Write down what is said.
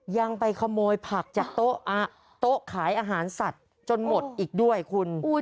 ยังไปขโมยผักจากโต๊ะขายอาหารสัตว์จนหมดอีกด้วยคุณ